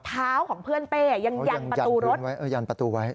เท้าของเพื่อนเป้ยังยันประตูรถไว้เออยันประตูไว้